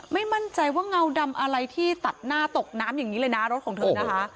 ไม่มั่นใจว่าเงาดำอะไรที่ตัดหน้าตกน้ำรถของเธอโอ้โห